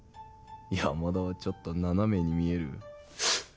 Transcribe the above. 山田はちょっと斜めに見えるハッ！